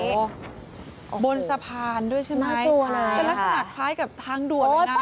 โอ้โหบนสะพานด้วยใช่ไหมเขค่ะรัสนักคล้ายกับทางด่วน